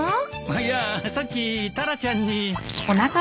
いやさっきタラちゃんに。